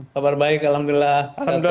kabar baik alhamdulillah